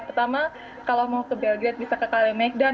pertama kalau mau ke belgrade bisa ke kalemeckdown